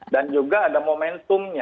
dan juga ada momentumnya